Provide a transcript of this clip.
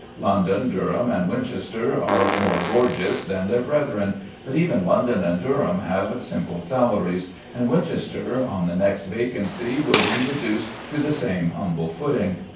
London, Durham, and Winchester are more gorgeous than their brethren, but even London and Durham have simple salaries, and Winchester, on the next vacancy, will be reduced to the same humble footing.